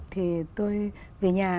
thì tôi về nhà